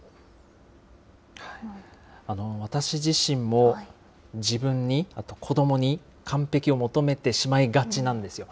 私自身も、自分に、あと子どもに完璧を求めてしまいがちなんですよ。